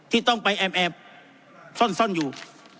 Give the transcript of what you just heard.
ที่ต้องไปแอบแอบซ่อนซ่อนอยู่